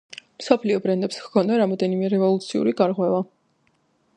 მსოფლიო ბრენდს ჰქონდა რამდენიმე რევოლუციური გარღვევა.